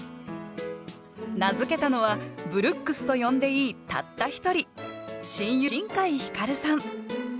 名付けたのは「ブルックス」と呼んでいいたった一人親友の新海光琉さん